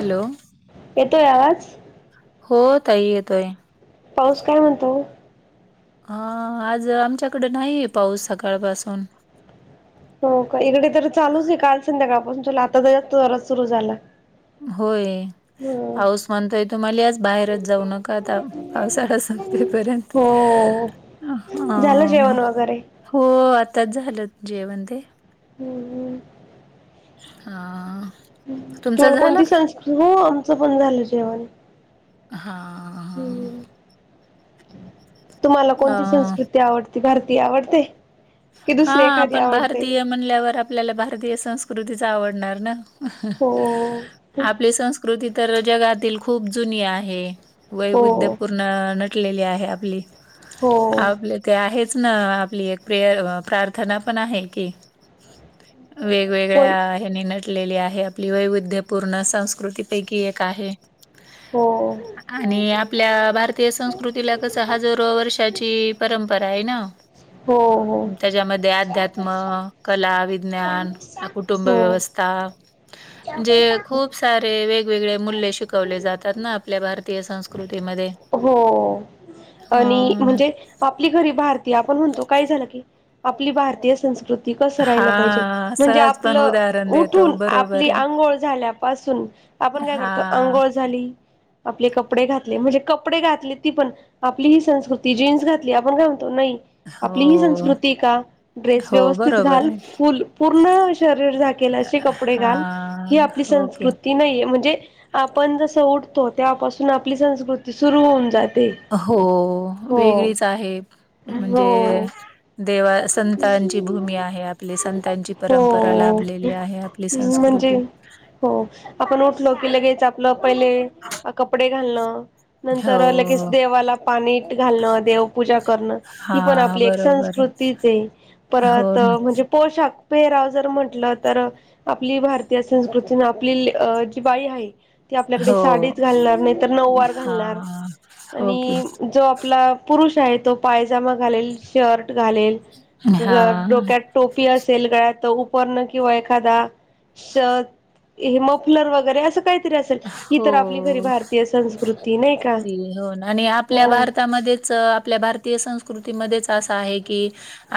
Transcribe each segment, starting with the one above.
Hello. येतोय आवाज? हो ताई येतोय. पाऊस काय म्हणतो? हां, आज आमच्याकड न्हाईये पाऊस सकाळपासून. हो का, इकडे तर चालूच आहे, काल संध्याकाळपासून चलू आता, जरा जोरात सुरू झाला. होय. हम्म पाऊस म्हणतोय तुमाले आज बाहेरच जाऊ नका आता, पावसाळा संपेपर्यंत. हो, झालं हा जेवण वगैरे? हो आताच झालं जेवण ते. हम्म. हा तुमचं तुम्हाला झालं कोणती का संस्कृ, हो आमचं पण झालं जेवण. हा, हा, हा. तुम्हाला कोणती अ संस्कृती आवडते. भारतीय आवडते, की दुसरी एखादी आवडते? म्हटल्यावर आपल्याला भारतीय संस्कृतीच आवडणार ना. हो. आपली संस्कृती तर जगातील खूप जुनी आहे. हो वैविध्यपूर अं, नटलेली आहे आपली. हो आपली ते आहेच ना आपली एक प्र प्रार्थना पण आहे की, कोण वेगवेगळ्या त्यानी नटलेली आहे. आपली वैविध्य पूर्ण संस्कृतीपैकी एक आहे. हो. आणि आपल्या भारतीय संस्कृतीला कसं हाजारो वर्षाची परंपरा आहे ना. हो. त्याच्यामध्ये अध्यात्म, कला, वि ज्ञान हा हो कुटुंबव्यवस्था जे खूप सारे वेगवेगळे मूल्य शिकवले जातात ना, आपल्या भारतीय संस्कृतीमध्ये. हो. आणि हो ना. म्हणजे आपली खरी भारतीय आपण म्हणतो काय झालं की, आपली भारतीय संस्कृती ती कसं राहिलं पाहिजे, हा म्हणजे सहज पण आपलं उदाहरण देतो उठून आपली बरोबर आहे. आंघोळ झाल्यापासून आपण काय करतो हा. आंघोळ झाली, आपले कपडे घातले म्हणजे कपडे घातले ती पण आपली ही संस्कृती जीन्स घातली, आपण काय म्हणतो नाही. आपली ही हो, संस्कृती का? ड्रेस हो व्यवस्थित बरोबर घाल, आहे. फुल पूर्ण शरीर झाक केल असे कपडे घाल, ही आपली हा ओके. संस्कृती ती नाहीे, म्हणजे आपण जसं उठतो, तेव्हापासून आपली संस्कृती सुरु होऊन जाते. हो हो वेगळीच आहे. म्हणजे हो देवा संतांची भूमी आहे आपली, संतांची परंपरा हो लाभलेली आहे. आपली म्हणजे संस्कृती. हो आपण उठलो की लगेच आपलं पहिले कपडे घालणं. नंतर लगेच हो देवाला पाणी घालणं देवपूजा करणं हा ही पण आपली एक बरोबर संस्कृतीच आहे. आहे हो परत ना म्हणजे पोशाख पेराव जर म्हटलं तर आपली भारतीय संस्कृती ना आपली अ जी बाई आहे. ती आपल्याकडे हो साडीच घालणार, नाहीतर नऊवार हा घालणार हो की आणि जो आपला पुरुष आहे तो पायजामा घालेल, शर्ट घालेल, हा डोक्यात टोपी असेल. गळ्यात उपरणं किंवा एखादा शहद हे मफलर वगैरे असं काय तरी असेल ही हो तर आपली खरी भारतीय संस्कृती नाही का? ती हो ना आणि हो आपल्या भारतामध्येच आपल्या भारत तीय संस्कृतीमध्येच असा आहे की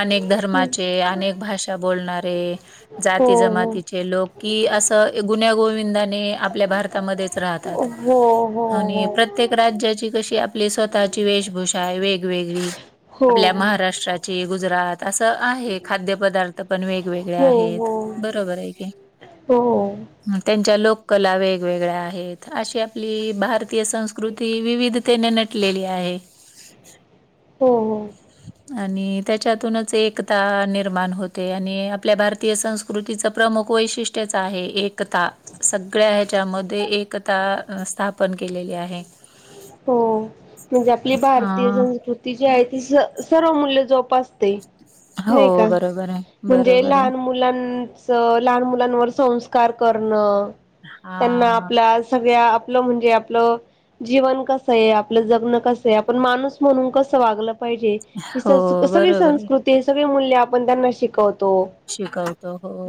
अनेक हो धर्माचे अनेक भाषा बोलणारे जाती हो जमातीचे लोक कि, असं गुन्ह्या गोविंदाने आपल्या भारतात मध्येच राहतात. हो हो आणि प्र प्रत्येक राज्याची कशी आपली स्वतःची वेशभूषा वेगवेगळी हो हो आपल्या महाराष्ट्राची ची गुजरात असं आहे खाद्य पदार्थ तिथं पण हो वेगवेगळया हो आहेत बरोबर आहे की, हो हो त्यांच्या लोककला वेग वेगवेगळ्या आहेत. अशी आपली भारतीय संस्कृती विविधतेने नटलेली आहे. हो हो. आणि त्याच्यातूनच एकता निर्माण होते आणि आपल्या भारतीय संस्कृतीचं प्रमुख वैशिष्ट्य ष्टयच आहे एकता. सगळ्या ह्याच्यामध्ये एकता स्थापन केलेली आहे. हो म्हणजे आपली भारतीय हा संस्कृती जी आहे ती स सर्व मूल्य जोपास ते नाही हो का? बरोबर आहे म्हणजे बरोबर आहे. लहान मु लांच लहान मुलांवर संस्कार करणं त्यांना हा आपला सगळ्या आपलं म्हणजे आपलं जीवन कसं आहे. आपलं जगणं कसं आहे आपण माणूस म्हणून कसं वागलं पाहिजे. ही हो सं सगळी बरोबर आहे संस्कृती ते सगळे मूल्य आपण त्यांना शिकवतो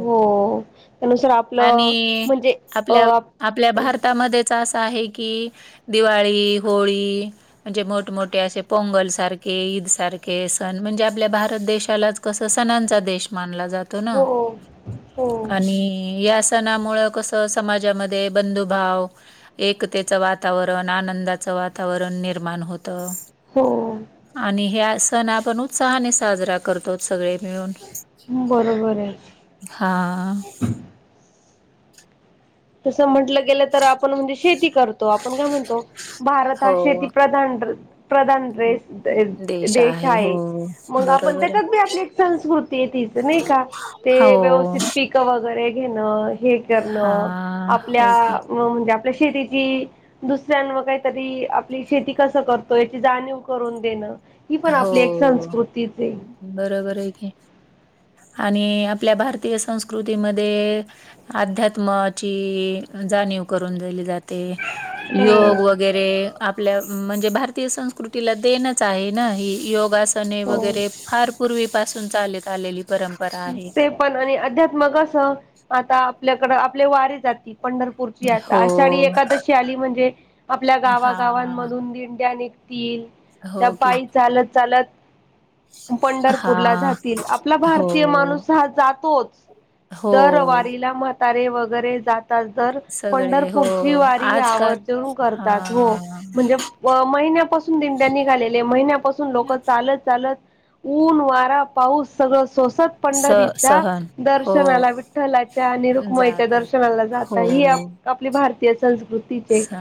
हो त्यानुसार आपलं आणि.. म्हणजे अ आपल्या आपल्या भारतामध्येच असं आहे की, दिवाळी, होळी म्हणजे मोठमोठे असे पोंगल सारखे ईद सारखे सण म्हणजे आपल्या भारत देशालाच कसं सणांचा देश मानला जातो न हो हो आणि या सणामुळ कसं समाजामध्ये बंधुभाव एकतेचं वातावरण आनंदाचं वातावरण निर्माण होत. हो. आणि ह्या सण आपण उत्साहाने साजरा करतोघ सगळे मिळून बरोबर आहे हा तसं म्हंटलं गेलं तर आपण म्हणजे शेती करतो आपण काय म्हणतो. भारत हा हो शेतीप्रधान प्रधान देश देश आहे. मग आपण बरोबर आहे. त्याच्यात बी आपली संस्कृती आहे तिचं नाही का? ते हो. व्यवस्थित पिक वगैरे घेणं हे करणं हां. हो आपल्या की. म्हणजे उद्या आपल्या शेतीची दुसऱ्यांवर काहीतरी, आपली शेती कसं करतो याची जाणीव करून देणं. ही पण हो. आपली एक संस्कृतीच आहे. बरोबर आहे कि, आणि आपल्या भारतीय संस्कृतीमध्ये अध्यात्माची जाणीव करून दिली जाते. ते, हो योग वगैरे आपल्या म्हणजे भारतीय संस्कृतीला देणच आहे. नाही योगासने हो वगैरे, फार पूर्वी पासून चालत आलेली परंपरा आहे. ते पण, आणि अध्यात मग कस, आता आपल्याकड आपले वारी जाती पंढरपू पुरची यात्रा, हो. अषाढी एकादशी आली म्हणजे, आपल्या हां. गावागावांमधून दिंड्या नी तील त्या हो की. पायी चालत-चालत पंढरपूरला हां. जातील आपला भारत हो. तिय माणूस हा जातोच, हो. दरवारीला म्हातारे वगैरे जात जर सगळे हो. पंढरपूरची वारी आजकाल आवर्जून करतात हो, हां. म्हणजे महिन्यापासून दिंड्या निघालेले, महिन्यापासून लोक चालत चालत ऊन, वारा, पाऊस, सगळं सोसत स पंढरीचा सहन हो दर्शनाला, विठ्ठलाच्या आणि रुक्माईच्या जातात दर्शनाला जात ही आपली भारतीय संस्कृती. सा,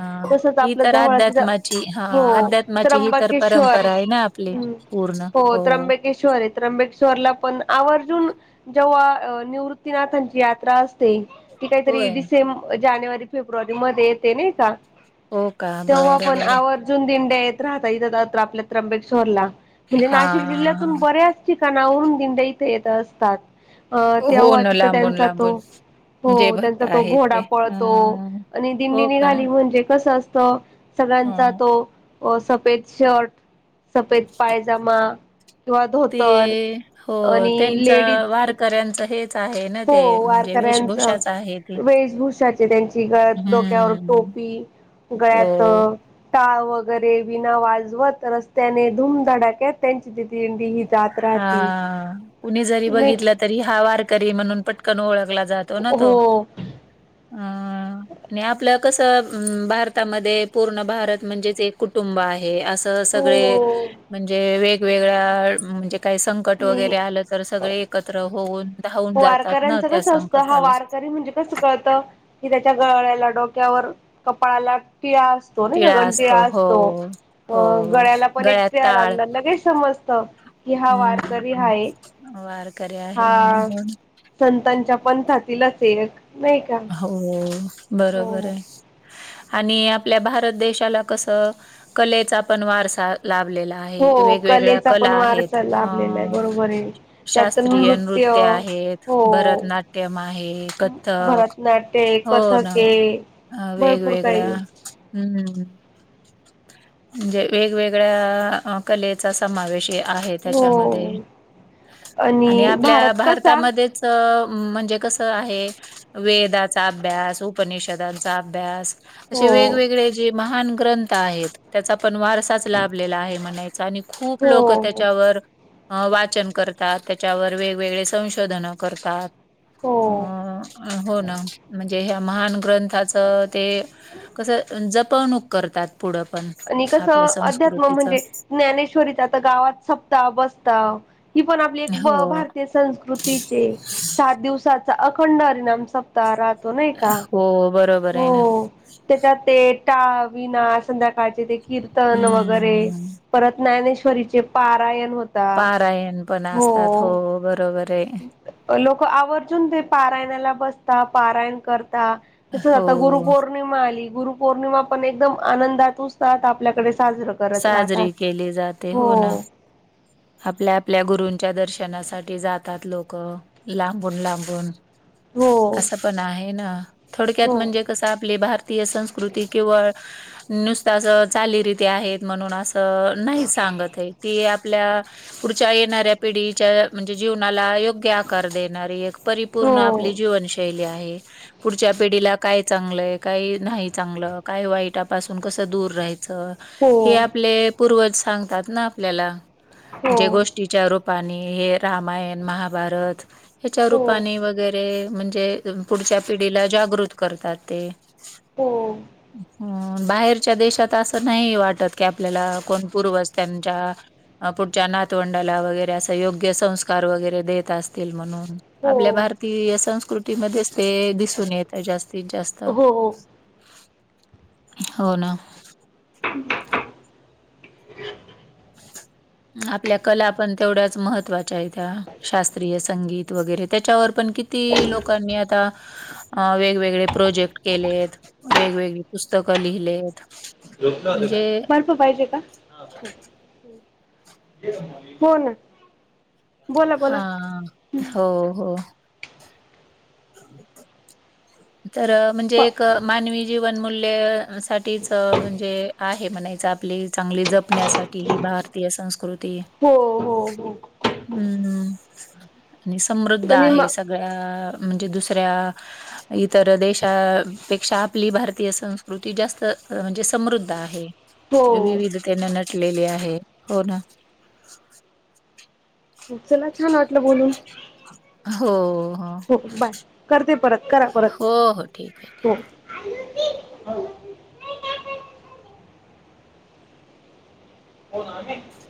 ही तर अध्यात्माची हा हो अध्यात्माची ही तर त्र्यंबकेश्वर परंपरा आहे ना. आपले पूर्ण हो. किशोरे आहे तबेश्वरला पण आवर्जून जेव्हा निवृतीनाथांची यात्रा अस ते, ती काहीतरी होय डिसें जानेवारी-फेब्रुवारी मध्ये येते नाही का? हो का तेव्हा बरं पण बरं आवर्जून दिंड्या येत राहतात त्या इथत आपल्या त्र्यंबेश्वरला. म्हणजे हा नाशिक जिल्ह्यातून बऱ्याच ठिकाणाहूण दिंड्या इथे येत असतात. अ हो तेव्हा न तिथं लांबून त्यांचा तो लांबून जे हो भक्त त्यांचा तो आहेत घोडा ते पळतो, अं आणि दिंडी हो का नीघाली म्हणजे कसं असत सगळ्यांचा अं तो अ सफेद शर्ट. सफेद पायजमा, किंवा ते धोतर. हो आणि त्यांच लेडीज वारकऱ्यांचं हेच आहे. ना ते हो म्हणजे वारकऱ्यांच, वेशभूषाच आहे ती वेशभूषाचे त्यांची गळ्यात डोक्यावर हम्म टोपी, गळ्यात, हो टाळ वगैरे, विना वाजवत रस्त्याने धूमधडाक्यात त्यांची ती दिंडीही जात हा राहती, कुणी जरी नाही का. बघितलं तरी हा वारकरी म्हणून पटकन ओळखला जातो. ना तो हो. अ आणि आपल्या कसं भारतामध्ये पूर्ण भारत म्हणजेच एक कुटुंब आहे, असं सगळे हो म्हणजे वेगवेगळ्या, म्हणजे काही सं संकट मी वगैरे आलं तर, सगळे एकत्र होऊन, धावून जातात ना त्या संकटाला. कस कळतं, की त्याच्या गळळ्याला, डोक्यावर कपाळाला टिळा असतो. तो नाही का, गंध टिळा असतो, अ हो गळ्याला पण एक गळ्यात टिळा टाळ लावलेला लगेच समजतं. कि हा वारकरी हम हाय वारकरी आहे म्हणून हा ही संतांच्या पंथातील असेल एक नाही का. हो हो बरोबर हाय. आणि आपल्या भारत देशाला कसं, कलेचा पण वारसा लाभलेला आहे हो वेगवेगळ्या कलेचा कला पण आहेत, वारसा लाभलेला आहे हा बरोबर आहे त्यात शास्त्रीय नृत्य आहेत, हो भरतनाट्यम आहे, कथक भरतनाट्य हो ना? कथक आहे हा भरपूर वेगवेगळ्या, काही आहे. हम्म्म! ! म्हणजे वेगवेगळ्या कलेचा समावेश या आहे त्याच्यामध्ये, हो आणि आपल्या भारत कसा भारतामध्येच म्हणजे कसं आहे, वेदाचा अभ्यास उपनिषदांचा अभ्यास‌ अशे हो वेगवेगळे जे महान ग्रंथ आहेत. त्याचा पण वारसाच लाभलेला आहे म्हणायचं आणि खूप हो लोक हो त्याच्या वर, वाचन करतात त्याच्यावर वेगवेगळे संशोधन करतात. हो अं हो ना, म्हणजे ह्या महान ग्रंथाचं ते कसं जपवणूक करतात पुढं पण. आणि आपल्या कसं अध्यात्म संस्कृतीच. म्हणजे, ज्ञानेश्वरीच आता गावात सपता बसताव, ही पण आपली एक हो, भारतीय संस्कृतीचे, सात दिवसाचा अखंड हरिणाम स पता राहतो नाही क? हो बरोबर येना! त्याच्यात ते टाळ विना संध्याकाळचे ते कीर्तन वगैरे, हम्म. परत ज्ञानेश्वरीचे पारायण होते. पारायण पण असतात हो बरोबर ये! लोक आवर्जून ते पारायणाला बसता! पारायण करता! तसंच आता हो गुरुपौर्णिमा आली, गुरुपौर्णिमा पण, एकदम आनंदात उत्साहात आपल्याकडे साजरा करत राहतात, साजरी केली जाते हो! ! ना आपल्या आपल्या गुरूंच्या दर्शनासाठी जातात. लोक, लांबून लांबून! हो ! असं पण आहे ना? थोडक्यात हो म्हणजे कसं आपली भार तीय संस्कृती केिवळ नुसत असं चालीरीती आहेत म्हणून असं! नाही सांगतय ती आपल्या? पुढच्या येणाऱ्या पिढीच्या म्हणजे जीवनाला योग्य आकार देणारी एक परिपूर्ण हो आपली जीवनशैली आहे. पुढच्या पिढीला काय चांगलय काही नाही चांगलं! काय वाईटापासून कसं दूर राहायचं! हो हे हो आपले पूर्वज सांगतात ना आपल्याला! म्हणजे गोष्टीच्या रूपाने हे रामायण महाभारत ह्याच्या हो रूपाने वगैरे म्हणजे पुढच्या पिढीला जागृत करतात ते! ! हो! ! हम बाहेरच्या देशात असं नाही वाटत की, आपल्याला कोण पूर्वज त्यांच्या आप पून च्या नातवंडलावगैर अस योग्य संस्कार वगैरे देत असतील म्हणून हो आपल्या भारात ती संस्कृतीमध्येच ते दिसून येत जास्तीत जास्त! ! हो हो- ना? [unintelligible] [inaudible] आपल्या कला पण तेवढ्याच महत्त्वाच्या हायतात्या शास्त्रीय संगीत! वगैरे त्याच्यावर पण किती? लोकांनी आता, वेगवेग वेगळे प्रोजेक्ट केलेत, वेगवेगळी पुस्तकं लिहिलेत. झोपले होता काय? म्हणजे बर्फ पाहिजे का? हा बर्फ! हो ना! बोला हा! बोला हो! हो! ! तर म्हणजे एक मानवी जीवन मूल्य साच म्हणजे आहे म्हणायच आपली चांगली जपण्यासाठी! ! ही भारतीय संस्कृती. हो हो हो हम्म आणि समृद्ध आणि म आहे सगळ्या म्हणजे दुसऱ्या इतर देशापेक्षा आपली भारतीय संस्कृती जास्त म्हणजे समृद्ध आहे. हो विविधतेने नटलेली आहे. हो ना, चला छान वाटलं बोलून. हो, हो. ओके बाय करते परत करा परत हो, हो. ठीक आहे. ठीक. हो. [unintelligible] [unintelligible]